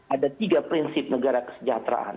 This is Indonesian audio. ada tiga prinsip negara kesejahteraan